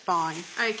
ＯＫ。